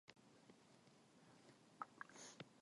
그는 계동 넓은 길을 모자도 쓰지 않고 다섯 번을 오르락내리락 하여 보았다.